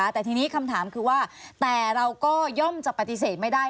แต่ทีนี้คำถามคือว่าแต่เราก็ย่อมจะปฏิเสธไม่ได้